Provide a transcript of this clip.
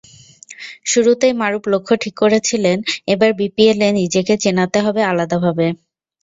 শুরুতেই মারুফ লক্ষ্য ঠিক করেছিলেন, এবার বিপিএলে নিজেকে চেনাতে হবে আলাদাভাবে।